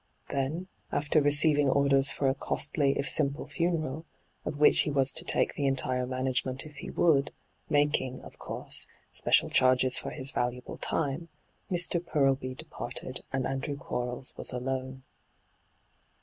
Then, after receiving orders for a costly if simple funeral, of which be was to take the entire management if he would, making, of course, special chaises for his valuable time, Mr. Purlby departed and Andrew Quarles was alone.